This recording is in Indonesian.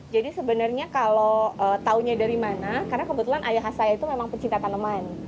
jadi sebenarnya kalau tahunya dari mana karena kebetulan ayah saya itu memang pecinta tanaman